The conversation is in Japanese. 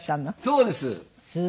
そうです。